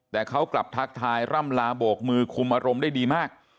แต่เขากลับทักทายร่ำลาโบกมือคุมอารมณ์ได้ดีมาก